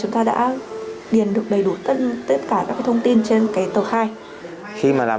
đúng rồi anh sẽ nhìn thấy các cái thông tin này luôn